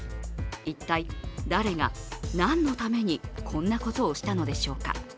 一体、誰が何のためにこんなことをしたのでしょうか。